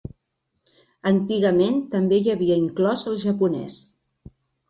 Antigament també hi havia inclòs el japonès.